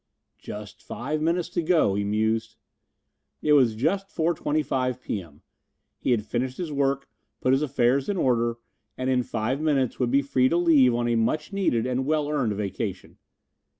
"Just five minutes to go," he mused. It was just 4:25 P. M. He had finished his work, put his affairs in order, and in five minutes would be free to leave on a much needed and well earned vacation.